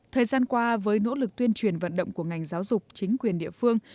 thời gian qua với nỗ lực tuyên truyền vận động của ngành giáo dục chính quyền địa phương